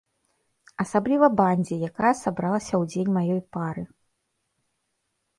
Асабліва бандзе, якая сабралася ў дзень маёй пары.